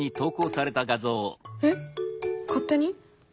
えっ勝手に？